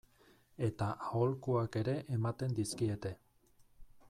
Eta aholkuak ere ematen dizkiete.